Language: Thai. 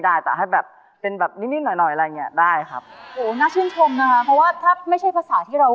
ถ้าทิ้งกันฟ้าก็ใส่ดินอย่างโบสถ์อันก็ลืมอายแล้ว